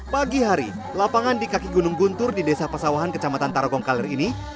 pagi hari lapangan di kaki gunung guntur di desa pasawahan kecamatan tarogongkaler ini